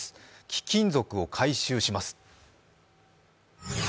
貴金属を回収します。